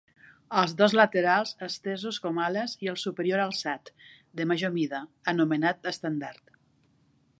Els dos laterals estesos com ales i el superior alçat, de major mida, anomenat estendard.